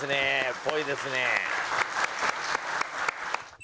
っぽいですね。